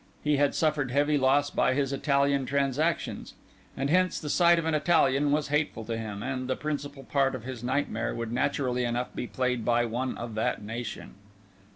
He had suffered heavy loss by his Italian transactions; and hence the sight of an Italian was hateful to him, and the principal part in his nightmare would naturally enough be played by one of that nation.